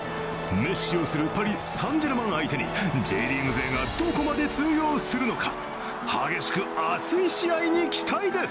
メッシ擁するパリ・サン＝ジェルマン相手にＪリーグ勢がどこまで通用するのか激しく、熱い試合に期待です。